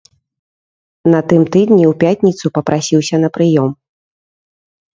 На тым тыдні ў пятніцу папрасіўся на прыём.